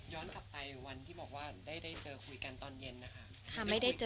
กลับไปวันที่บอกว่าได้เจอคุยกันตอนเย็นนะคะ